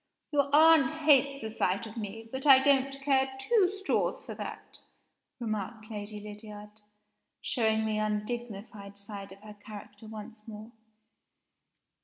Your aunt hates the sight of me but I don't care two straws for that," remarked Lady Lydiard, showing the undignified side of her character once more.